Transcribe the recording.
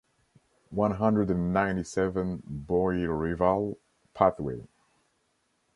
one hundred and ninety-seven Bois Rival pathway.